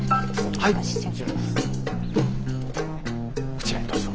こちらへどうぞ。